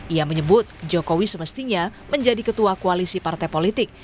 ia menyebut jokowi semestinya menjadi ketua koalisi partai politik